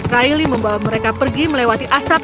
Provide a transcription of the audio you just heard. raili membawa mereka pergi melewati asap